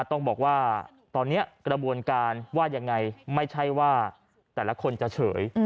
ต้องบอกว่าตอนนี้กระบวนการว่ายังไงไม่ใช่ว่าแต่ละคนจะเฉย